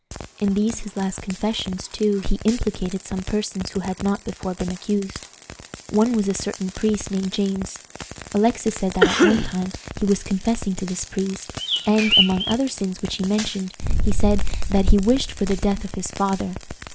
In these his last confessions, too, he implicated some persons who had not before been accused. One was a certain priest named James. Alexis said that at one time he was confessing to this priest, and, among other sins which he mentioned, he said "that he wished for the death of his father."